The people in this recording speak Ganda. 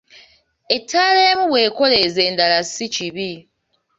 Ettaala emu bw'ekoleeza endala si kibi.